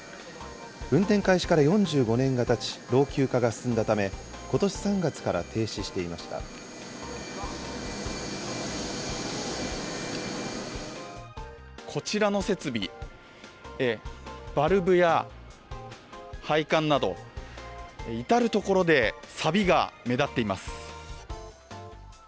運転開始から４５年がたち、老朽化が進んだため、ことし３月からこちらの設備、バルブや配管など、至る所でさびが目立っています。